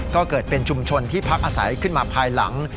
ก็เกิดเป็นชุมชนที่พักอาศัยขึ้นมาภายหลัง